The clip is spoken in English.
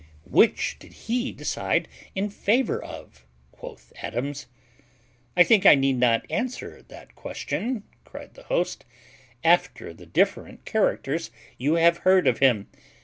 "Which did He decide it in favour of?" quoth Adams. "I think I need not answer that question," cried the host, "after the different characters you have heard of him.